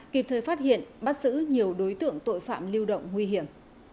kịp thời phát hiện bắt giữ nhiều đối tượng tội phạm lưu động nguy hiểm